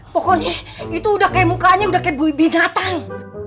pokoknya itu udah kayak mukanya udah kayak binatang